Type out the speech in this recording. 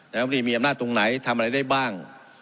รัฐมนตรีมีอำนาจตรงไหนทำอะไรได้บ้าง